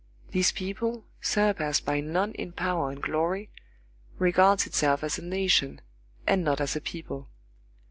This people, surpassed by none in power and glory, regards itself as a nation, and not as a people.